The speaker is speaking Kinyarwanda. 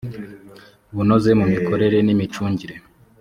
bunoze mu mikorere n imicungire